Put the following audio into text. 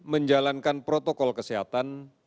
untuk menjalankan protokol kesehatan